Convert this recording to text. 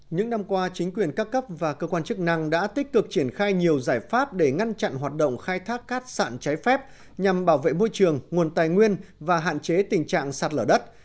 những năm qua chính quyền các cấp và cơ quan chức năng đã tích cực triển khai nhiều giải pháp để ngăn chặn hoạt động khai thác cát sạn trái phép nhằm bảo vệ môi trường nguồn tài nguyên và hạn chế tình trạng sạt lở đất